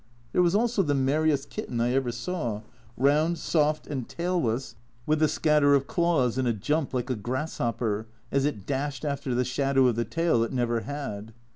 There was also the merriest kitten I ever saw round, soft, and tailless, with a scatter of claws and a jump like a grasshopper, as it dashed after the shadow of the tail it never had.